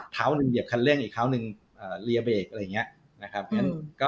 คราวหนึ่งเหยียบคันเรื่องอีกคราวหนึ่งเรียเบกอะไรอย่างนี้